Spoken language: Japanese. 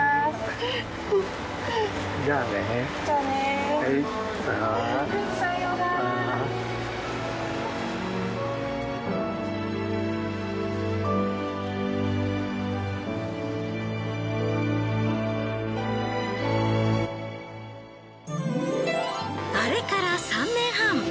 あれから３年半。